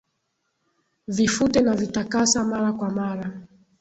Vifute na vitakasa mara kwa mara